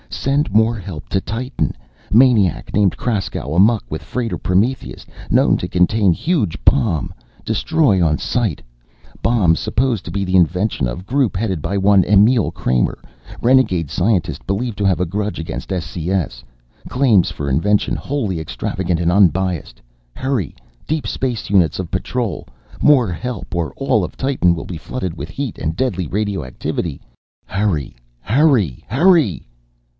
Send more help to Titan! Maniac named Kraskow amuck with freighter Prometheus, known to contain huge bomb! Destroy on sight: Bomb supposed to be invention of group headed by one, Emil Kramer, renegade scientist believed to have a grudge against S. C. S. Claims for invention wholly extravagant and unbased. Hurry, deep space units of Patrol. More help! Or all of Titan will be flooded with heat and deadly radioactivity! Hurry.... Hurry.... Hurry...."